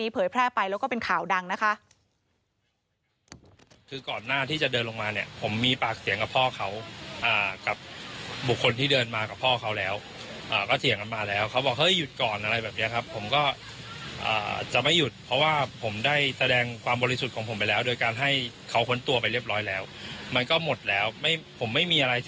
เพราะตอนนั้นที่ผมต้องโวยวายเนี่ย